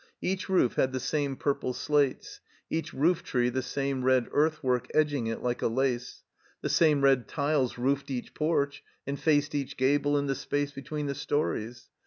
Each roof had the same ptirple slates, each roof tree the same red earthwork] edging it Uke a lace; the same red tiles roofed eadi porch and faced each gable and the qpace between the stories.